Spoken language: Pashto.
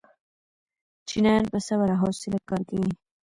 چینایان په صبر او حوصله کار کوي.